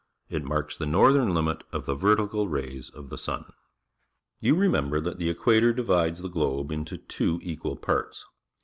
It marks the northern limit of t he ve rtical rays oT the sun. You rernember that the equator di\ides the globe^into t\vo equal parts.